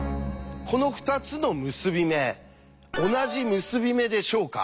この２つの結び目同じ結び目でしょうか？